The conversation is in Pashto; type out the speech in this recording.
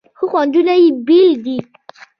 خو خوندونه یې بیل دي.